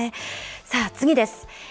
さあ、次です。